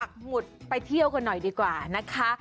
หมุดไปเที่ยวกันหน่อยดีกว่านะคะ